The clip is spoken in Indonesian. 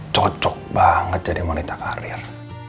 cocok banget jadi wanita karir